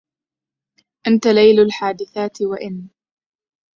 أنتَ ليلُ الحادِثاتِ وإن